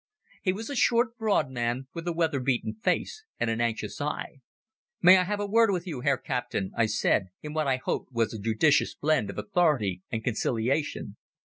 He was a short, broad man with a weather beaten face and an anxious eye. "May I have a word with you, Herr Captain?" I said, with what I hoped was a judicious blend of authority and conciliation.